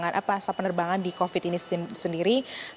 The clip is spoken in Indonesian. jadi ini adalah satu asas penerbangan yang flightnya itu hampir sama